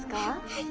はい。